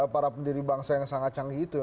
para pendiri bangsa yang sangat canggih itu